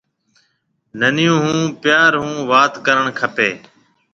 ننَيون هون پيار هون وات ڪرڻ کپيَ۔